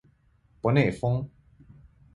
博内丰。